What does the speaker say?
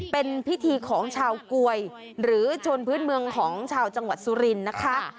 เป็นพิธีของชาวกวยหรือชนพื้นเมืองของชาวจังหวัดสุรินทร์นะคะ